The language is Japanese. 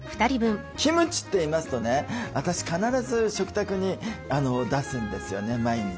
キムチっていいますとね私必ず食卓に出すんですよね毎日。